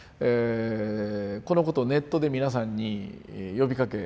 このことをネットで皆さんに呼びかけ